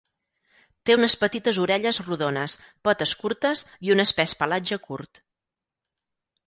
Té unes petites orelles rodones, potes curtes i un espès pelatge curt.